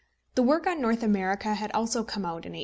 The work on North America had also come out in 1862.